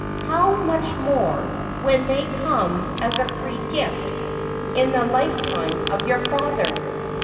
How much more, when they come as a free gift, in the lifetime of your father!